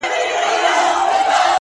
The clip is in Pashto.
سیاه پوسي ده. افغانستان دی.